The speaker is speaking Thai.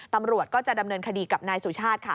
ตำรวจก็จะดำเนินคดีกับนายสุชาติค่ะ